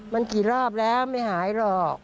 มันกี่รอบแล้วไม่หายหรอก